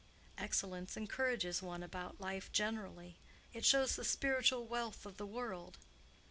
Excellence encourages one about life generally; it shows the spiritual wealth of the world."